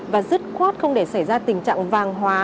và dứt khoát không để xảy ra tình trạng vàng hóa